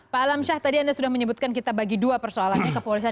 pak alamsyah tadi anda sudah menyebutkan kita bagi dua persoalannya ke polisi